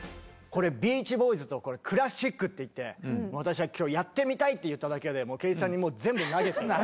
これビーチ・ボーイズとクラシックっていって私は今日やってみたいって言っただけで慶一さんに全部投げた。